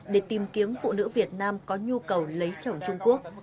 để tìm kiếm phụ nữ việt nam có nhu cầu lấy chồng trung quốc